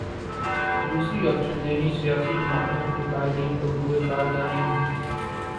دوسری آپشن دینی سیاسی جماعتوں کے قائدین کو بروئے کار لانے کی تھی۔